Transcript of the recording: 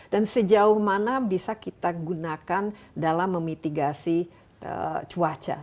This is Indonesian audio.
dan sejauh mana bisa kita gunakan dalam memitigasi cuaca